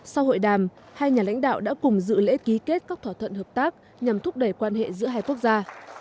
sau hội đàm hai nhà lãnh đạo đã cùng dự lễ ký kết các thỏa thuận hợp tác nhằm thúc đẩy quan hệ giữa hai quốc gia